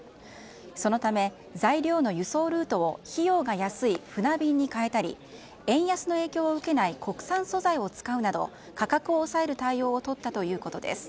そのため、材料の輸送ルートを費用が安い船便に変えたり円安の影響を受けない国産素材を使うなど価格を抑える対応をとったということです。